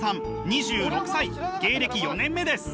芸歴４年目です。